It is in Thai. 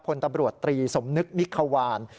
พลตำรวจตรีสมนึกมิควาน